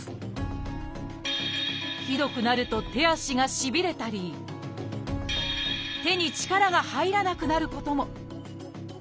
ひどくなると手足がしびれたり手に力が入らなくなることも。